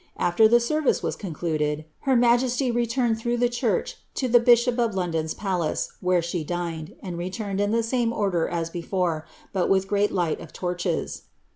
After the service was concluded, her ma* jesty returned through the church to the bishop of London's palace, where she dined, and returned in the same order as before, but with great light of torches.